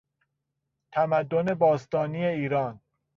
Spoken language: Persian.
تمدن باستانی ایران